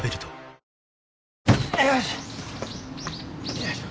よいしょ。